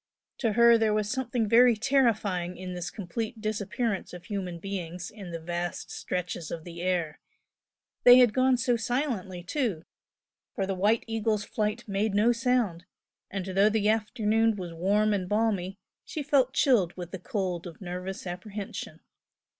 To her there was something very terrifying in this complete disappearance of human beings in the vast stretches of the air they had gone so silently, too, for the "White Eagle's" flight made no sound, and though the afternoon was warm and balmy she felt chilled with the cold of nervous apprehension.